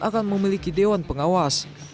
akan memiliki dewan pengawas